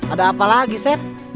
ada apa lagi sep